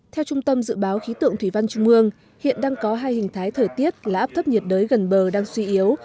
theo trung tâm dự báo khí tượng thủy văn trung ương hiện đang có hai hình thái thời tiết là áp thấp nhiệt đới gần bờ đang suy yếu